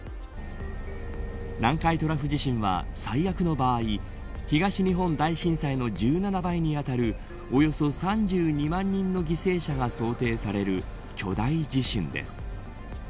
南海トラフ地震は最悪の場合東日本大震災の１７倍にあたるおよそ３２万人の犠牲者が想定される巨大地震です。